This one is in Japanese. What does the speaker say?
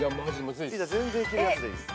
全然いけるやつでいいっす。